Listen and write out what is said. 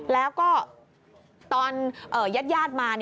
แล้วก็ตอนยาดมา